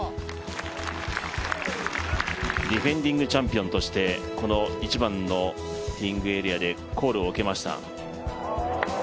ディフェンディングチャンピオンとしてこの１番のティーイングエリアでコールを受けました。